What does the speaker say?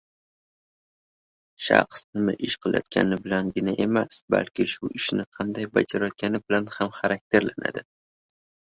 …Shaxs nima ish qilayotgani bilangina emas, balki shu ishni qanday bajarayotgani bilan ham xarakterlanadi…